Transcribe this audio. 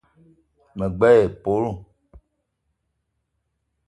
Me gbele épölo